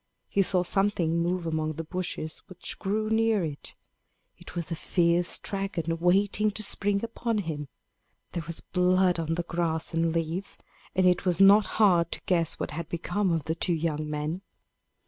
He saw something move among the bushes which grew near it. It was a fierce dragon, waiting to spring upon him. There was blood on the grass and leaves, and it was not hard to guess what had become of the two young men.